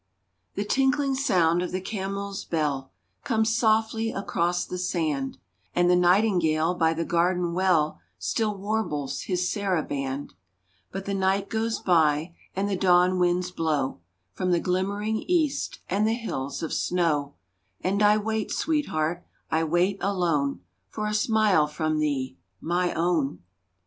_) The tinkling sound of the camel's bell Comes softly across the sand, And the nightingale by the garden well Still warbles his saraband, But the night goes by and the dawn winds blow From the glimmering East and the Hills of Snow, And I wait, sweetheart, I wait alone, For a smile from thee, my own!